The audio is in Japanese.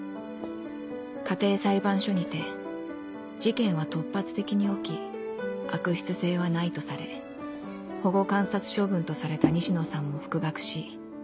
家庭裁判所にて事件は突発的に起き悪質性はないとされ保護観察処分とされた西野さんも復学し